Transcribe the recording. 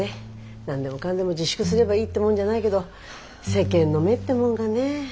何でもかんでも自粛すればいいってもんじゃないけど世間の目ってもんがねえ。